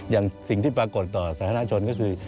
อย่างสิ่งที่ปรากฏต่อสาธารณชนก็คือ